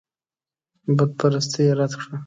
بتپرستي یې رد کړه.